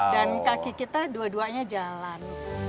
dan kaki kita dua duanya jalan